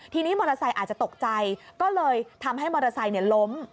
ทีนี้มอเตอร์ไซค์อาจจะตกใจก็เลยทำให้มอเตอร์ไซค์ล้ม